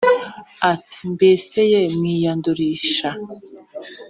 Ati mbese ye mwiyandurisha